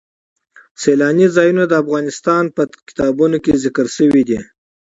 سیلانی ځایونه د افغان تاریخ په کتابونو کې ذکر شوی دي.